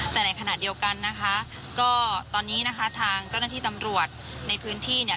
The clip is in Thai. แต่ในขณะเดียวกันนะคะก็ตอนนี้นะคะทางเจ้าหน้าที่ตำรวจในพื้นที่เนี่ย